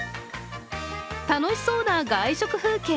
楽しそうな外食風景。